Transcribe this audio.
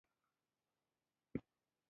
مېک البوم وایي د مور سترګې پاکه مینه لري.